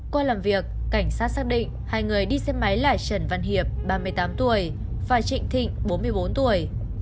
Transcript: qua làm việc cảnh sát xác định hai người đi xe máy là trần văn hiệp ba mươi tám tuổi và trịnh thịnh bốn mươi bốn tuổi